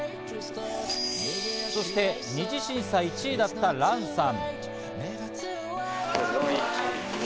そして２次審査１位だったランさん。